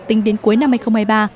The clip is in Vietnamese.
tính đến cuối năm hai nghìn hai mươi ba